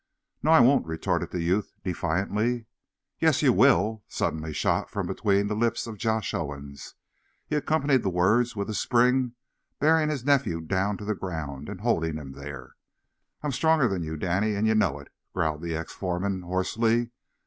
"No, I won't," retorted that youth, defiantly. "Yes, ye will!" suddenly shot from between the lips of Josh Owen. He accompanied the words with a spring, bearing his nephew down to the ground, and holding him there. "I'm stronger than you, Danny, an' ye know it," growled the ex foreman, hoarsely.